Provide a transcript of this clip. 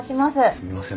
すみません